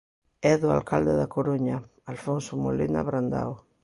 "É do alcalde da Coruña, Alfonso Molina Brandao"."